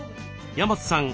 山津さん